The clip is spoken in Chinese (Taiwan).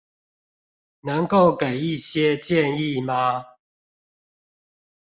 能夠給一些建議嗎